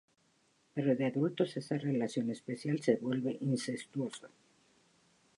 Pero de adultos esa relación especial se vuelve incestuosa.